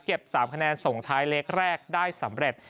๓คะแนนส่งท้ายเล็กแรกได้สำเร็จ